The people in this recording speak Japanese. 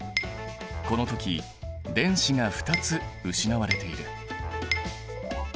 この時電子が２つ失われている。